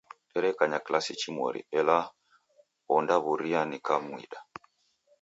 Derekanya kilasi chimweri ela ondaw'uria nikamwida.